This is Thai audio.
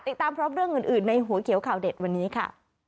ติดตามพร้อมเรื่องอื่นในหัวเขียวข่าวเด็ดวันนี้ค่ะ